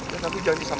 dan aku janji sama kamu